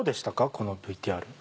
このＶＴＲ。